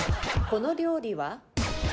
この料理は？